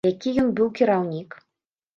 Які ён быў кіраўнік?